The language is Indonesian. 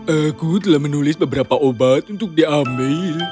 aku telah menulis beberapa obat untuk diambil